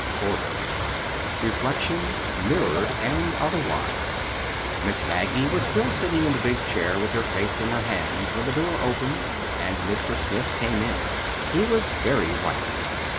CHAPTER XXIII REFLECTIONS—MIRRORED AND OTHERWISE Miss Maggie was still sitting in the big chair with her face in her hands when the door opened and Mr. Smith came in. He was very white.